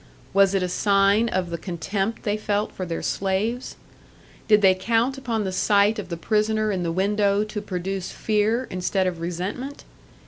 Was it a sign of the contempt they felt for their slaves? Did they count upon the sight of the prisoner in the window to produce fear instead of resentment?